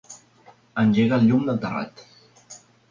Engega el llum del terrat.